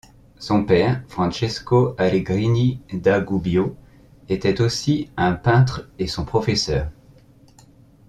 Son père, Francesco Allegrini da Gubbio était aussi un peintre et son professeur.